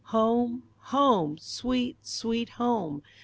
Home, home! Sweet, Sweet Home!